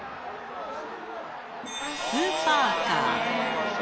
スーパーカー。